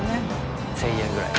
１０００円ぐらい。